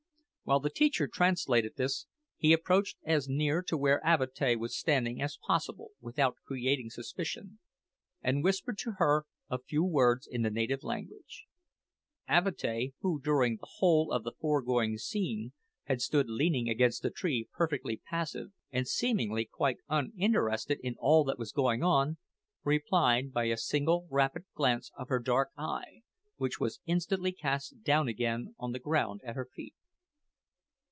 While the teacher translated this, he approached as near to where Avatea was standing as possible without creating suspicion, and whispered to her a few words in the native language. Avatea, who, during the whole of the foregoing scene, had stood leaning against the tree perfectly passive, and seemingly quite uninterested in all that was going on, replied by a single rapid glance of her dark eye, which was instantly cast down again on the ground at her feet.